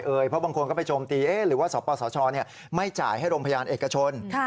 เพราะบางคนไปจมตีสภาพภาพสาชาไม่จ่ายให้โรงพยาบาลเอกชน